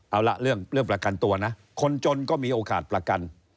เอาละเรื่องประกันตัวนะคนจนก็มีโอกาสประกัน